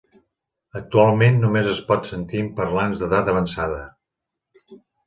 Actualment només es pot sentir en parlants d'edat avançada.